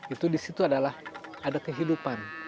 itu disitu adalah ada kehidupan